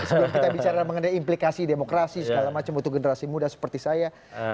sebelum kita bicara mengenai implikasi demokrasi segala macam untuk generasi muda seperti saya